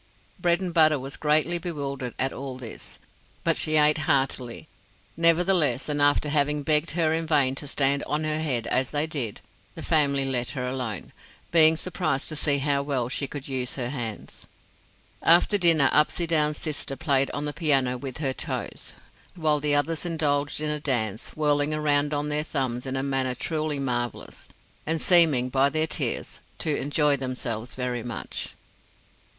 Bredenbutta was greatly bewildered at all this, but she ate heartily, nevertheless, and after having begged her in vain to stand on her head, as they did, the family let her alone, being surprised to see how well she could use her hands. After dinner Upsydoun's sister played on the piano with her toes, while the others indulged in a dance, whirling around on their thumbs in a manner truly marvelous, and seeming, by their tears, to enjoy themselves very much.